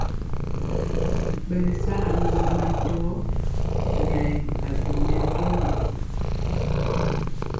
Ɓɛ ri sa alogɔ mɛntɔɔ nɛ abi mɛntombi.